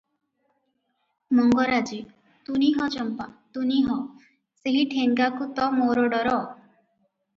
ମଙ୍ଗରାଜେ - ତୁନି ହ ଚମ୍ପା, ତୁନି ହ! ସେହି ଠେଙ୍ଗାକୁ ତ ମୋର ଡର ।